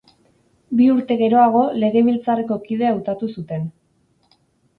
Bi urte geroago Legebiltzarreko kide hautatu zuten.